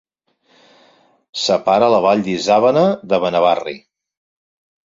Separa la Vall de l'Isàvena de Benavarri.